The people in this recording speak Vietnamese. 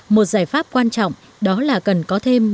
một giải pháp quan trọng đó là cần có thêm những công trình chống sói lở